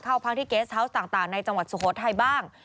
เข้าพักที่เกสเฮาวส์ต่างในจังหวัดสุโขทัยบ้าง